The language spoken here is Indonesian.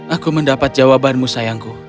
aku mendapat jawabannya sayangku